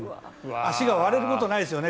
足が割れることないですよね。